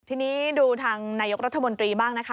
ทีนี้ดูทางนายกรัฐมนตรีบ้างนะคะ